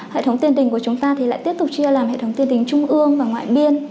hệ thống tiền đình của chúng ta thì lại tiếp tục chia làm hệ thống tiền đình trung ương và ngoại biên